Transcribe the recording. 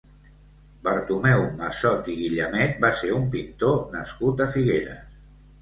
Bartomeu Massot i Guillamet va ser un pintor nascut a Figueres.